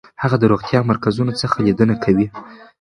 هغه د روغتیايي مرکزونو څخه لیدنه کوي.